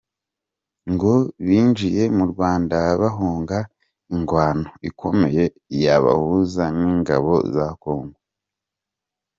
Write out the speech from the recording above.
Ngo binjiye mu Rwanda bahunga ingwano ikomeye yabahuza n'ingabo za Congo.